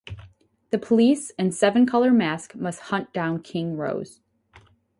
The police and Seven Color Mask must hunt down King Rose.